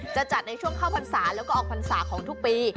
จะจัดในช่วงเข้าพรรษาแล้วก็ออกพรรษาของทุกปี